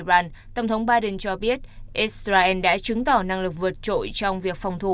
tuy nhiên tổng thống mỹ joe biden cho biết israel đã chứng tỏ năng lực vượt trội trong việc phòng thủ